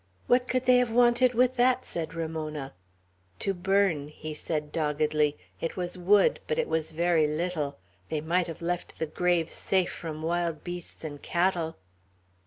"What could they have wanted with that?" said Ramona "To burn," he said doggedly, "It was wood; but it was very little. They might have left the graves safe from wild beasts and cattle!"